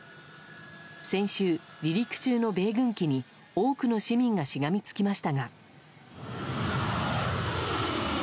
先週、離陸中の米軍機に多くの市民がしがみつきましたが。